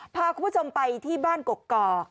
พาคุณผู้ชมไปที่บ้านกกอก